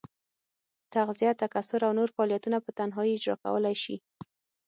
تغذیه، تکثر او نور فعالیتونه په تنهایي اجرا کولای شي.